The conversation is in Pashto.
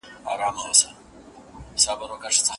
وخته تا هر وخت د خپل ځان په لور قدم ايښی دی